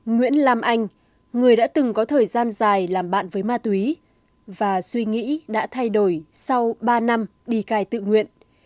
nguyễn lam anh người đã từng có thời gian dài làm bạn với ma túy và suy nghĩ đã thay đổi sau ba năm đi cai tự nguyện